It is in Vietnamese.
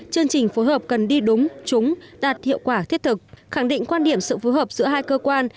chương trình phối hợp cần đi đúng trúng đạt hiệu quả thiết thực khẳng định quan điểm sự phù hợp giữa hai cơ quan